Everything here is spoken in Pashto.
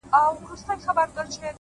o تور یم ـ موړ یمه د ژوند له خرمستیو ـ